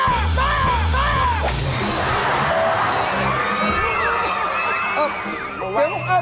บอกไว้ผมเอาไปคืนครับ